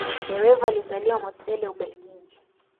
De Wever alizaliwa Mortsel, Ubelgiji.